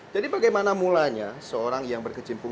jadi bagaimana mulanya seorang yang berkecimpung